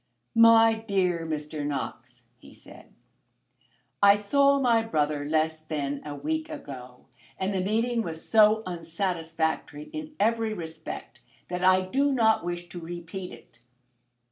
"MY DEAR MR. KNOX," he said, "I saw my brother less than a week ago, and the meeting was so unsatisfactory in every respect that I do not wish to repeat it.